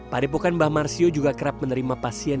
padepokan mbah marsio juga kerap menerima pasien